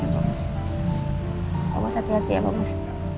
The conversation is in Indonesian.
pak bos hati hati ya pak bos